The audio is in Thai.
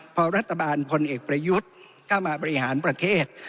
พอรัฐบาลพลเอกประยุทธ์เข้ามาบริหารประเทศ